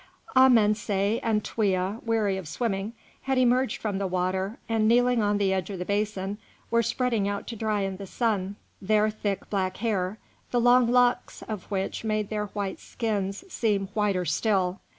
Amense and Twea, weary of swimming, had emerged from the water, and kneeling on the edge of the basin, were spreading out to dry in the sun their thick black hair, the long locks of which made their white skins seem whiter still.